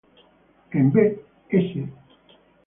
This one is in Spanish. En Bs.